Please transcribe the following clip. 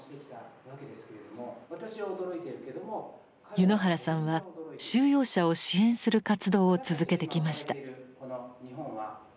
柚之原さんは収容者を支援する活動を続けてきました。